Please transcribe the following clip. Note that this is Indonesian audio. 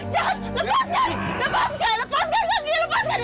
jahat lepaskan lepaskan lepaskan lepaskan